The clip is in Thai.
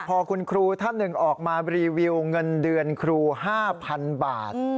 พอคุณครูท่านหนึ่งออกมารีวิวเงินเดือนครู๕๐๐๐บาท